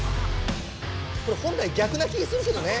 これ本来ぎゃくな気するけどね。